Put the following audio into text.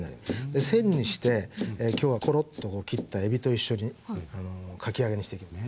で線にしてきょうはコロッとこう切ったえびと一緒にかき揚げにしていきます。